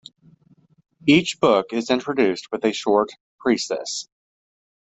Each book is introduced with a short precis.